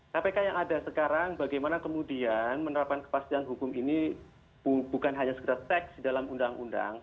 kpk yang ada sekarang bagaimana kemudian menerapkan kepastian hukum ini bukan hanya sekedar teks di dalam undang undang